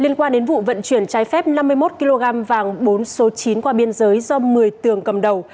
liên quan đến vụ vận chuyển trái phép năm mươi một kg vàng bốn số chín qua biên giới do một mươi tường cầm đầu